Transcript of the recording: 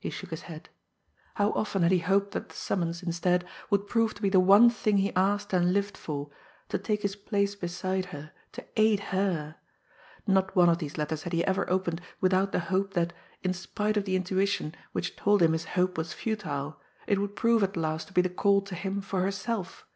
He shook his head. How often had he hoped that the summons, instead, would prove to be the one thing he asked and lived for to take his place beside her, to aid her! Not one of these letters had he ever opened without the hope that, in spite of the intuition which told him his hope was futile, it would prove at last to be the call to him for herself!